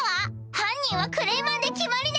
犯人はクレイマンで決まりね！